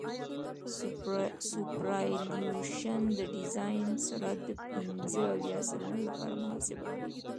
سوپرایلیویشن د ډیزاین سرعت د پنځه اویا سلنه لپاره محاسبه کیږي